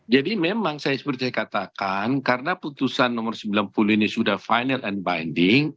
jadi memang seperti saya katakan karena putusan sembilan puluh ini sudah final and binding